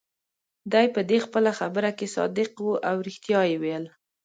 دی په دې خپله خبره کې صادق وو، او ريښتیا يې ویل.